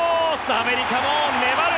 アメリカも粘る！